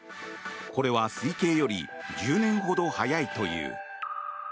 これは推計より１０年ほど早いという。